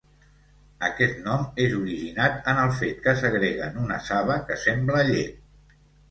Aquest nom és originat en el fet que segreguen una saba que sembla llet.